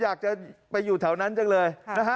อยากจะไปอยู่แถวนั้นจังเลยนะฮะ